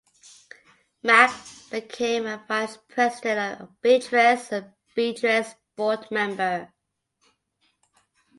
Mack became a vice president of Beatrice and a Beatrice board member.